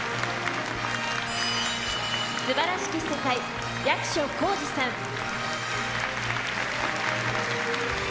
すばらしき世界、役所広司さん。